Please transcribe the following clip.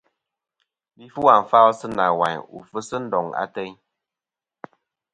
Li fu àfal sɨ nawayn wu fɨsi ndoŋ ateyn.